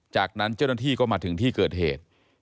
จากนั้นเจ้าหน้าที่ก็มาถึงที่เกิดเหตุ